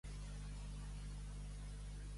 Retret destrueix benifet.